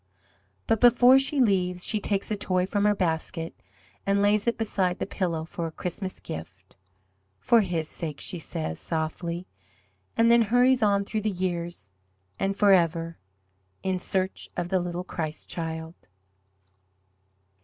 But before she leaves she takes a toy from her basket and lays it beside the pillow for a Christmas gift. "For His sake," she says softly, and then hurries on through the years and forever in search of the little Christ Child.